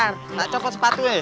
nggak coba sepatu ya